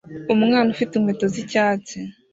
Umwana ufite inkweto z'icyatsi